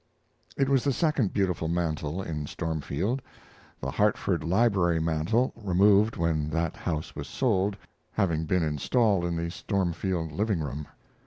It was the second beautiful mantel in Stormfield the Hartford library mantel, removed when that house was sold, having been installed in the Stormfield living room.